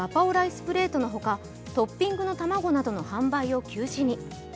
プレートの他、トッピングの卵などの販売を休止に。